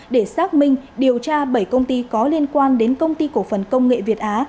để xác minh điều tra bảy công ty có liên quan đến công ty cổ phần công nghệ việt á